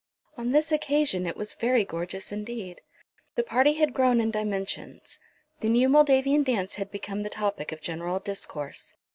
On this occasion it was very gorgeous indeed. The party had grown in dimensions. The new Moldavian dance had become the topic of general discourse.